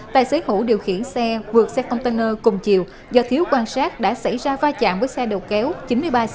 tài xế hữu điều khiển xe vượt xe container cùng chiều do thiếu quan sát đã xảy ra va chạm với xe đầu kéo chín mươi ba c ba nghìn bảy mươi một